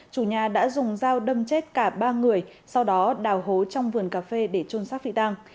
chủ nhà đã dùng dao đâm chết cả ba người sau đó đào hố trong vườn cà phê để trôn xác phi tăng